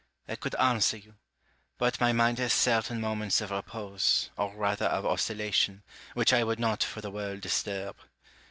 Rousseau. I could answer you : but my mind has certain moments of repose, or rather of oscillation, which I would not for the world disturb.